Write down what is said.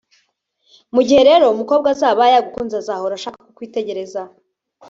Mu gihe rero umukobwa azaba yagukunze azahora ashaka kukwitegereza